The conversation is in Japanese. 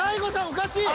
おかしい！］